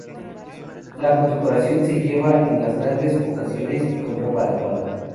La condecoración se lleva en las grandes ocasiones y con ropa adecuada.